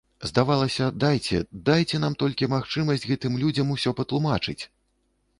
Здавалася, дайце, дайце нам толькі магчымасць гэтым людзям усё патлумачыць!